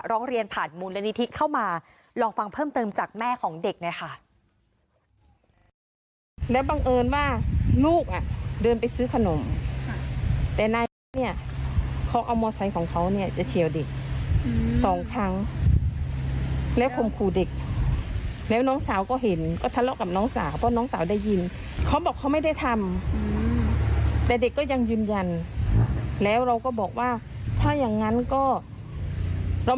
ร้องเรียนผ่านมูลนิธิเข้ามาลองฟังเพิ่มเติมจากแม่ของเด็กหน่อยค่ะ